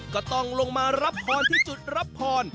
ก็ต้องลงมารับพรที่จุดรับพร